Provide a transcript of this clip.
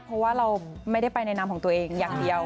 เพราะว่าเราไม่ได้ไปในนามของตัวเองอย่างเดียว